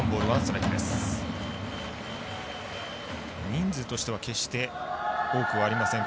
人数としては決して多くはありません